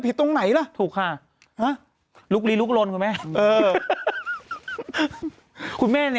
เป็นอะไรถูกค่ะลุคลีลุคลนคุณแม่มันผิดตรงไหนล่ะ